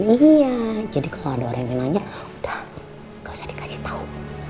iya jadi kalau ada orang yang nanya udah gak usah dikasih tahu